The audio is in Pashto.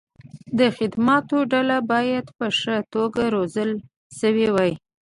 د خدماتو ډله باید په ښه توګه روزل شوې وي.